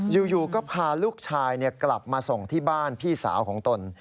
อยู่ก็พาลูกชายกลับมาส่งที่บ้านพี่สาวของตน